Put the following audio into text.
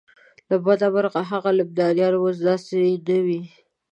له بده مرغه هغه لبنان اوس داسې نه دی.